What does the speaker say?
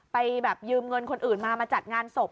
ไปแบบยืมเงินคนอื่นมามาจัดงานศพ